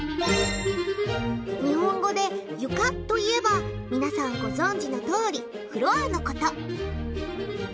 日本語で「床」といえば皆さんご存じのとおり「フロア」のこと。